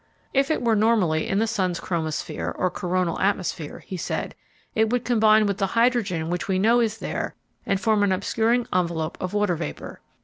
If it were normally in the sun's chromosphere, or coronal atmosphere, he said, it would combine with the hydrogen which we know is there and form an obscuring envelope of water vapor.